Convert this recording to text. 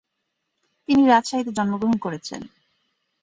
তিনি রাজশাহীতে জন্মগ্রহণ করেছেন।